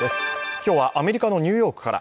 今日はアメリカのニューヨークから。